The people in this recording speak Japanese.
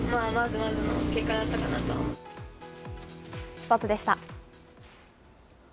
スポーツでした。